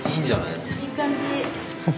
いい感じ。